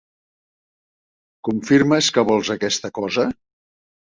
Confirmes que vols aquesta cosa?